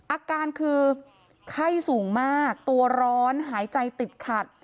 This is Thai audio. อาการคือไข้สูงมากตัวร้อนหายใจติดขัด